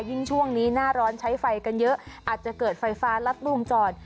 ช่วงนี้หน้าร้อนใช้ไฟกันเยอะอาจจะเกิดไฟฟ้ารัดวงจร